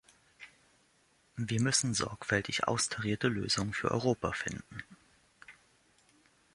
Wir müssen sorgfältig austarierte Lösungen für Europa finden.